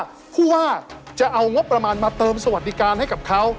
ก็จะหวังว่าผู้ว่าจะเอางบประมาณมาเติมสวัสดิการให้กับเขา